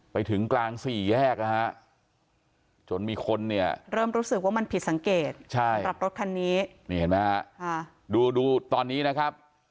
ไปถึงกลางสี่แยกนะฮะ